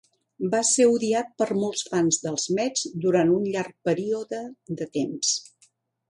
Va ser odiat per molts fans dels Mets durant un llarg període de temps.